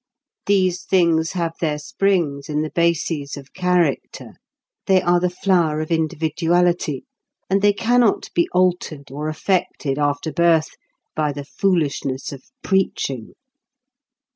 These things have their springs in the bases of character: they are the flower of individuality; and they cannot be altered or affected after birth by the foolishness of preaching.